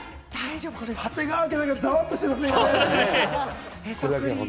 長谷川家が今、ざわっとしてますね。